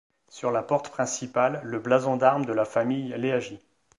Sur la porte principale le blason d'armes de la famille Leagi.